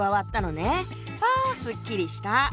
あすっきりした。